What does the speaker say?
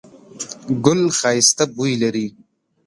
ګل ښایسته بوی لري